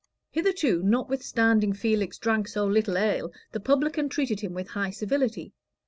Hitherto, notwithstanding Felix drank so little ale, the publican treated him with high civility.